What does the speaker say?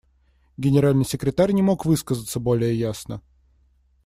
Генеральный секретарь не мог высказаться более ясно.